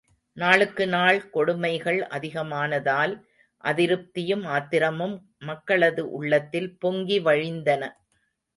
நாளுக்கு நாள் கொடுமைகள் அதிகமானதால் அதிருப்தியும், ஆத்திரமும் மக்களது உள்ளத்தில் பொங்கி வழிந்தன.